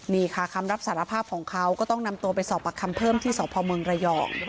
นี่ค่ะคำรับสารภาพของเขาก็ต้องนำตัวไปสอบประคำเพิ่มที่สพเมืองระยอง